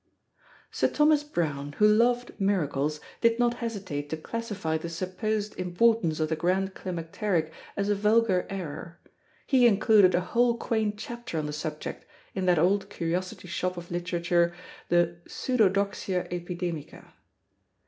Sir Thomas Browne, who loved miracles, did not hesitate to classify the supposed importance of the grand climacteric as a vulgar error; he included a whole quaint chapter on the subject, in that old curiosity shop of literature, the Pseudodoxia Epidemica.